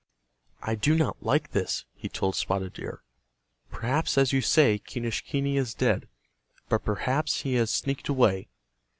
"I do not like this," he told Spotted Deer. "Perhaps, as you say, Quenischquney is dead. But perhaps he has sneaked away.